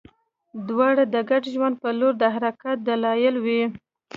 دواړه د ګډ ژوند په لور د حرکت دلایل وي.